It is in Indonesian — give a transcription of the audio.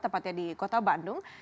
tepatnya di kota bandung